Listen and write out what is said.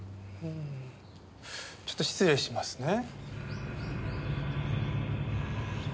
ちょっと失礼しますね。